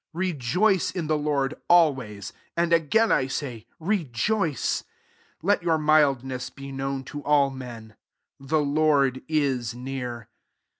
4 Rejoice in the Lord al ways : and again I say. Rejoice. 5 Let your mildness be known to all men. The Lord ia npar.